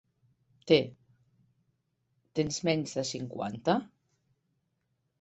Té, tens menys de cinquanta?